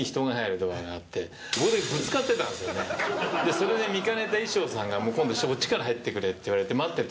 それで見かねた衣装さんに「そっちから入ってくれ」って言われて。